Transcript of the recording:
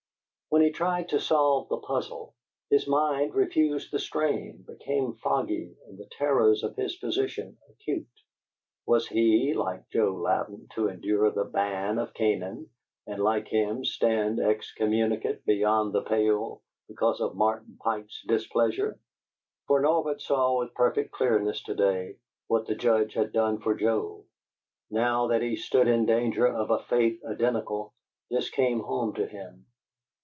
When he tried to solve the puzzle, his mind refused the strain, became foggy and the terrors of his position acute. Was he, like Joe Louden, to endure the ban of Canaan, and like him stand excommunicate beyond the pale because of Martin Pike's displeasure? For Norbert saw with perfect clearness to day what the Judge had done for Joe. Now that he stood in danger of a fate identical, this came home to him.